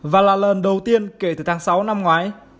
và là lần đầu tiên kể từ tháng sáu năm ngoái